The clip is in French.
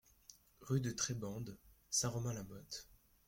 Rue de Trebande, Saint-Romain-la-Motte